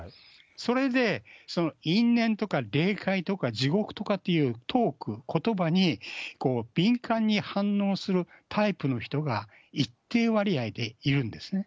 それで因縁とか霊界とか地獄とかっていうトーク、ことばに敏感に反応するタイプの人が一定割合でいるんですね。